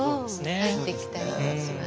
入ってきたりします。